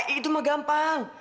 itu mah gampang